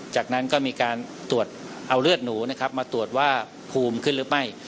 จากนั้นก็มีการตรวจเอาเลือดหนูนะครับมาตรวจว่าภูมิขึ้นหรือไม่